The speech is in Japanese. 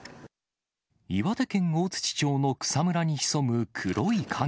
岩手県大槌町の草むらに潜む黒い影。